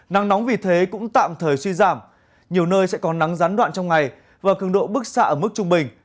nắng nóng vì thế cũng tạm thời suy giảm nhiều nơi sẽ có nắng gián đoạn trong ngày và cường độ bức xạ ở mức trung bình